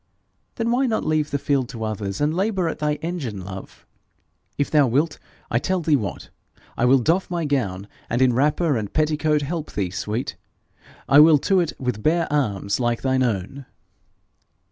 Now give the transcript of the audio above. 'Then why not leave the field to others, and labour at thy engines, love? If thou wilt, I tell thee what I will doff my gown, and in wrapper and petticoat help thee, sweet. I will to it with bare arms like thine own.'